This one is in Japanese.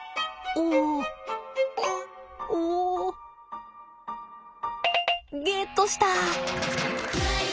おお！ゲットした！